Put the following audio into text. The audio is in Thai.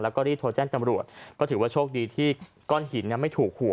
แล้วก็รีบโทรแจ้งจำรวจก็ถือว่าโชคดีที่ก้อนหินไม่ถูกหัว